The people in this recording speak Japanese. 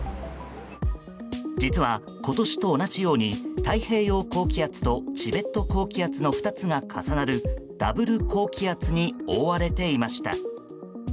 実は、今年と同じように太平洋高気圧とチベット高気圧の２つが重なるダブル高気圧に覆われていました。